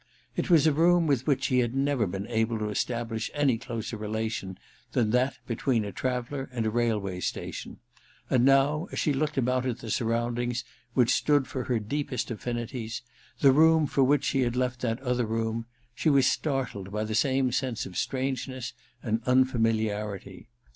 It was a room with which she had never been able to establish any closer relation than that between a traveller and a railway station ; and now, as she looked about at the surroundings which stood for her deepest affinities — the room for which she had left that other room — ^she was startled by the same sense of strangeness and unfamiliarity.